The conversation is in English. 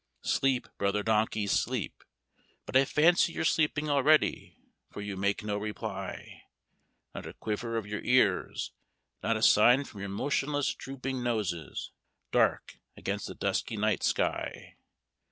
Sleep, Brother Donkeys, sleep! But I fancy you're sleeping already, for you make no reply; Not a quiver of your ears, not a sign from your motionless drooping noses, dark against the dusky night sky.